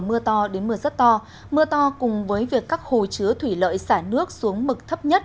mưa to đến mưa rất to mưa to cùng với việc các hồ chứa thủy lợi xả nước xuống mực thấp nhất